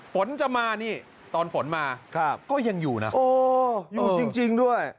ฝนจะมานี่ตอนฝนมาก็ยังอยู่นะอยู่จริงด้วย